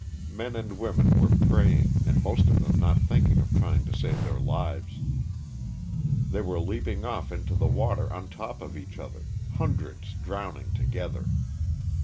Men and women were praying, and most of them not thinking of trying to save their lives. They were leaping off into the water on top of each other — hundreds drowning together.